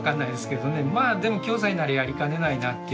まあでも暁斎ならやりかねないなっていう。